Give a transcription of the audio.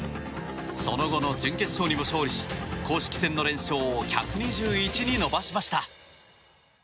その後の準決勝にも勝利し公式戦の連勝を１２１に伸ばしました。